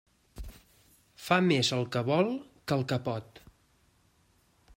Fa més el que vol que el que pot.